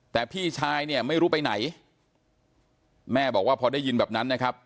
แต่พี่ชายเนี่ยไม่รู้ไปไหนแม่บอกว่าพอได้ยินแบบนั้นนะครับ